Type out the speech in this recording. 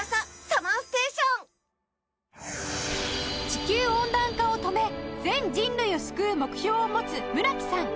地球温暖化を止め全人類を救う目標を持つ村木さん